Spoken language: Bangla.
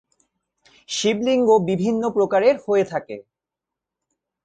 শিবলিঙ্গ বিভিন্ন প্রকারের হয়ে থাকে।